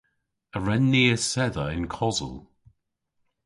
A wren ni esedha yn kosel?